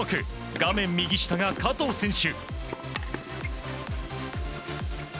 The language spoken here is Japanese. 画面右下が加藤選手。